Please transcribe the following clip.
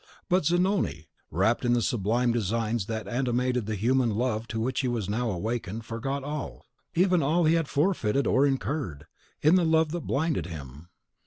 But Zanoni, wrapped in the sublime designs that animated the human love to which he was now awakened, forgot all, even all he had forfeited or incurred, in the love that blinded him.